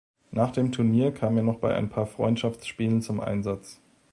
Nach dem Turnier kam er noch bei ein paar Freundschaftsspielen zum Einsatz.